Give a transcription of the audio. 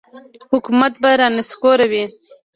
حکومت به را نسکوروي.